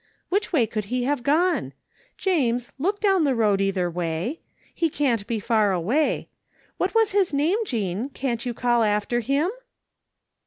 Which way could he have gone? James, look down the road either way. He can't be far away. What was his name, Jean ? Can't you call after him?"